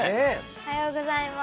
おはようございます。